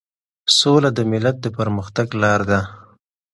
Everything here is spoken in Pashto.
سوله د ملت د پرمختګ لار ده.